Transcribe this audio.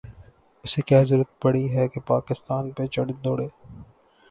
اسے کیا ضرورت پڑی ہے کہ پاکستان پہ چڑھ دوڑے۔